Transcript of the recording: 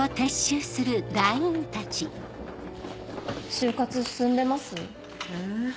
就活進んでます？え？